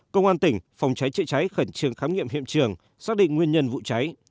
công an tỉnh phòng cháy chữa cháy khẩn trương khám nghiệm hiện trường xác định nguyên nhân vụ cháy